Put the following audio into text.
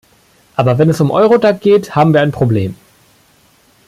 Aber wenn es um Eurodac geht, haben wir ein Problem.